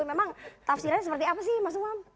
memang tafsirannya seperti apa sih mas umam